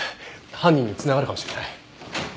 犯人に繋がるかもしれない。